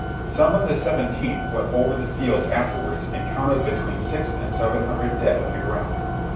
Some of the Seventeenth went over the field afterwards and counted between six and seven hun dred dead on the ground.